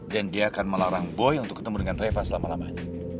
dan dia akan melarang boy untuk ketemu dengan reva selama lamanya